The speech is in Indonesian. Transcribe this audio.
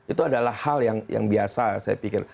itu adalah hal yang biasa saya pikir